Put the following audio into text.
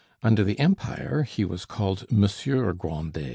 Under the Empire he was called Monsieur Grandet.